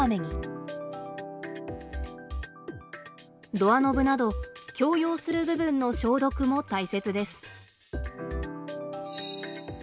ドアノブなど共用する部分の消毒も大切です。